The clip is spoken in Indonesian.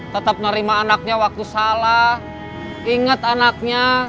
tetap nerima anaknya waktu salah ingat anaknya